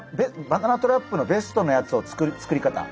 バナナトラップのベストなやつの作り方。